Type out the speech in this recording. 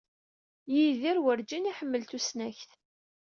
Yidir werǧin iḥemmel tusnakt.